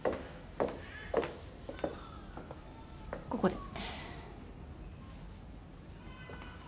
ここで。